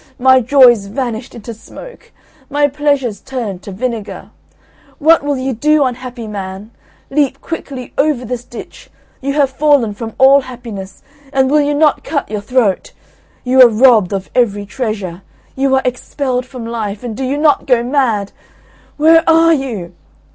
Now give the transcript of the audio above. my joys vanished into smoke! my pleasures turned to vinegar! What will you do, unhappy man! Leap quickly over this ditch! You have fallen from all happiness, and will you not cut your throat? You are robbed of every treasure! You are expelled from life, and do you not go mad? Where are you?